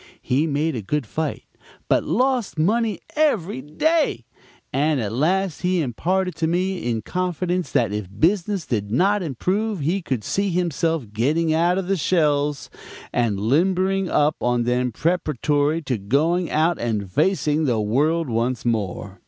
He made a good fight, but lost money every day; and at last he imparted to me in confidence that if business did not improve he could see himself getting out the shells and limbering up on them preparatory to going out and facing the world once more.